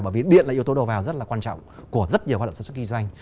bởi vì điện là yếu tố đầu vào rất là quan trọng của rất nhiều hoạt động sản xuất kinh doanh